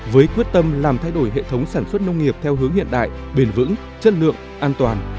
với quyết tâm làm thay đổi hệ thống sản xuất nông nghiệp theo hướng hiện đại bền vững chất lượng an toàn